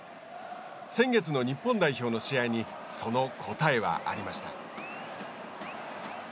先月の日本代表の試合にその答えはありました。